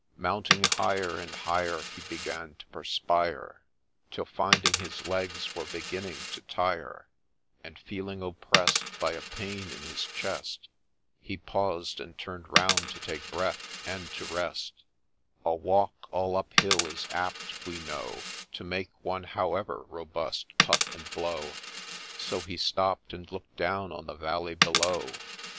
Mounting higher and higher, He began to perspire, Till, finding his legs were beginning to tire, And feeling opprest By a pain in his chest, He paus'd, and 'turn'd round to take breath, and to rest, A walk all up hill is apt, we know, To make one, however robust, puff and blow, So he stopp'd and look'd down on the valley below.